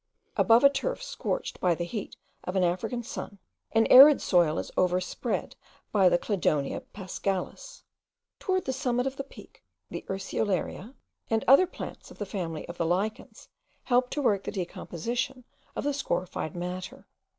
Above a turf scorched by the heat of an African sun, an arid soil is overspread by the Cladonia paschalis. Towards the summit of the Peak the Urceolarea and other plants of the family of the lichens, help to work the decomposition of the scorified matter.